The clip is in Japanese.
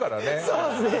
そうですね。